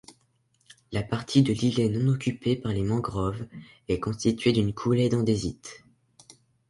La partie de l’îlet non occupé par la mangrove est constitué d’une coulée d’andésite.